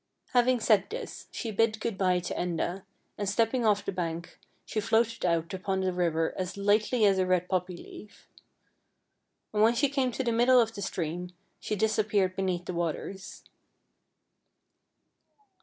Having said this, she bid good by to Enda, and stepping off the bank, she floated out upon the river as lightly as a red poppy leaf. And when she came to the middle of the stream she disap peared beneath the waters.